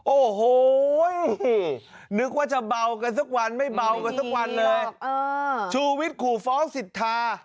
โอ้โหนึกว่าจะเบากันสักวันไม่เบากันสักวันเลยชูวิทย์ขู่ฟ้องสิทธา